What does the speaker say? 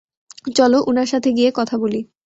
চলো, উনার সাথে গিয়ে কথা বলি।